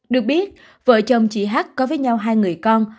được biết vợ chồng chị hát có với nhau hai người con